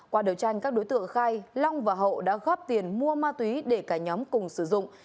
qua đấu tranh các đối tượng khai long và hậu đã góp tiền mua ma túy để cả nhóm cùng sử dụng